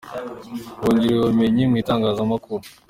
Bongerewe ubumenyi mu itangazamakuru